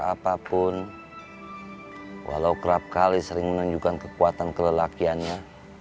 apapun walau kerap kali sering menunjukkan kekuatan kelelakiannya